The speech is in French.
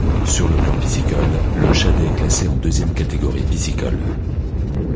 Sur le plan piscicole, le Chadet est classé en deuxième catégorie piscicole.